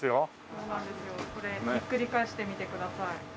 そうなんですよこれひっくり返してみてください。